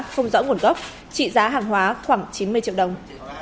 không rõ nguồn gốc trị giá hàng hóa khoảng chín mươi triệu đồng